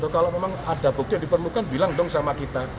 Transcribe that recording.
kalau memang ada bukti yang diperlukan bilang dong sama kita